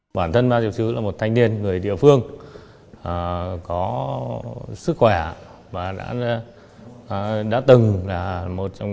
anh bản thân đã được chứ là một thanh niên người địa phương có sức khỏe và đã đã từng là một trong